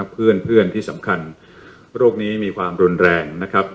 เพื่อนที่สำคัญโรคนี้มีความรุนแรงนะครับ